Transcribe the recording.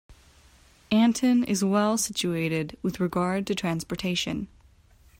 Anton is well situated with regard to transportation.